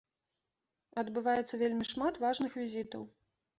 Адбываецца вельмі шмат важных візітаў.